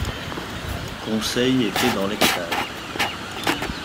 Conseil était dans l’extase.